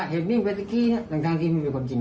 เห็นพริกรีทางทางที่ไม่มีคนจริง